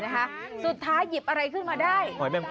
คุณเห็นว่าเป็นอะไร